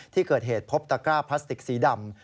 ที่เกิดเหตุพบตะกร้าพลาสติกสีดำ